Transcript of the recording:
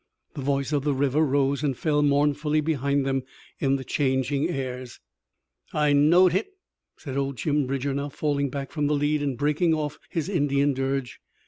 The voice of the river rose and fell mournfully behind them in the changing airs. "I knowed hit!" said old Jim Bridger, now falling back from the lead and breaking oft' his Indian dirge.